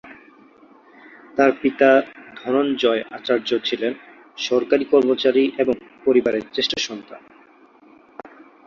তার পিতা ধনঞ্জয় আচার্য ছিলেন সরকারি কর্মচারী এবং পরিবারের জ্যেষ্ঠ সন্তান।